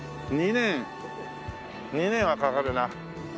２年２年はかかるな。